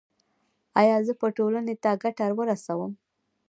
ایا زه به ټولنې ته ګټه ورسوم؟